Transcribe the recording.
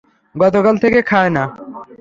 গতকাল থেকে খায়না।